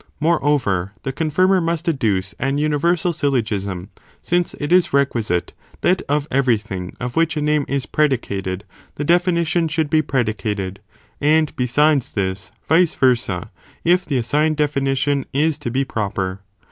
Moreover, the confirmer must adduce an universal syllogism, since it is requisite that of every thing of which a name is predicated, the definition should be predicated, and besides this, vice versa, if the assigned definition is to be pro per.